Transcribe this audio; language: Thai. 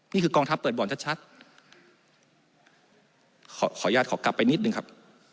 กองทัพเปิดบ่อนชัดขอขออนุญาตขอกลับไปนิดนึงครับ